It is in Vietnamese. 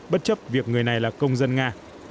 bất chấp việc người này là công dân nga